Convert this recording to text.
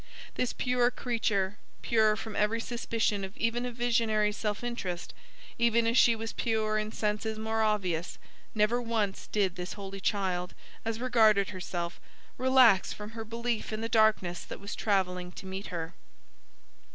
This pure creature pure from every suspicion of even a visionary self interest, even as she was pure in senses more obvious never once did this holy child, as regarded herself, relax from her belief in the darkness that was travelling to meet her.